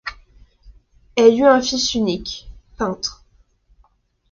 Elle a eu un fils unique, peintre.